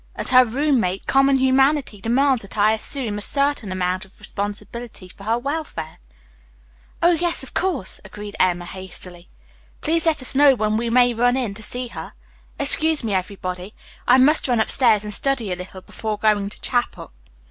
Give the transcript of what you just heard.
"As her roommate, common humanity demands that I assume a certain amount of responsibility for her welfare." "Oh, yes, of course," agreed Emma hastily. "Please let us know when we may run in to see her. Excuse me, everybody. I must run upstairs and study a little before going to chapel."